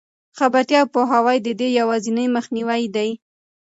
خبرتیا او پوهاوی د دې یوازینۍ مخنیوی دی.